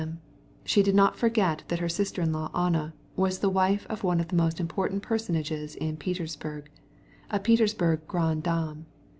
Still she did not forget that Anna, her sister in law, was the wife of one of the most important personages in Petersburg, and was a Petersburg grande dame.